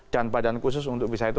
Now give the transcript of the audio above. badan khusus untuk bisa itu